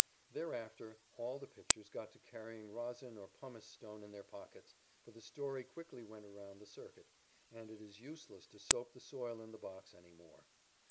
Thereafter, all the pitchers got to carrying rosin or pumice stone in their pockets, for the story quickly went round the circuit, and it is useless to soap the soil in the box any more.